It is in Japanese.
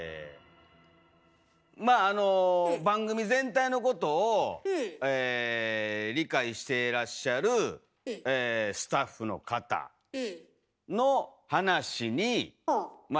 まああの番組全体のことをえ理解してらっしゃるスタッフの方の話にまあ